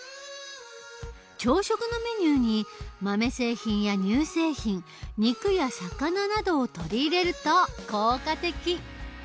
朝食のメニューに豆製品や乳製品肉や魚などを取り入れると効果的。